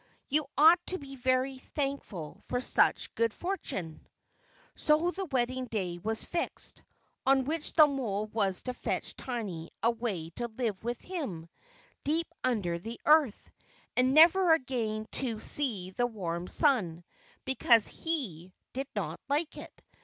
You ought to be very thankful for such good fortune." So the wedding day was fixed, on which the mole was to fetch Tiny away to live with him, deep under the earth, and never again to see the warm sun, because he did not like it.